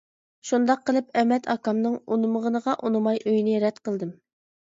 شۇنداق قىلىپ ئەمەت ئاكامنىڭ ئۇنىمىغىنىغا ئۇنىماي ئۆينى رەت قىلدىم.